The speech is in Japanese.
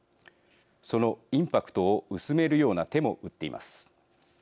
そのインパクトを薄めるような手も打っています。